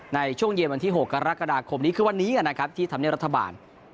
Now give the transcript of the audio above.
ในช่วงเย็นวันที่๖กรกฎาคมนี้คือวันนี้นะครับที่ธรรมเนียบรัฐบาล